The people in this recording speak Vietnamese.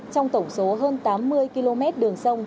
trong tổng số hơn tám mươi km đường sông